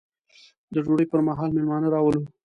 د ډوډۍ پر مهال مېلمانه راولو.